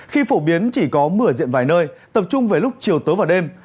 khi phổ biến chỉ có mưa diện vài nơi tập trung về lúc chiều tối và đêm